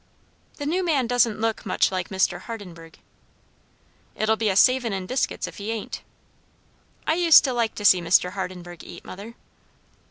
"The new man doesn't look much like Mr. Hardenburgh." "It'll be a savin' in biscuits, if he ain't." "I used to like to see Mr. Hardenburgh eat, mother."